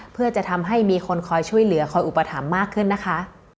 เพื่อจะทำให้มีคนคอยช่วยเหลือคอยอุปถัมภ์มากขึ้นนะคะ